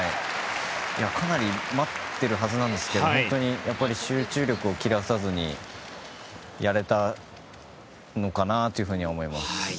かなり待っているはずなんですけど本当に集中力を切らさずにやれたのかなと思います。